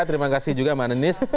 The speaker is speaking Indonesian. terima kasih juga mbak nenis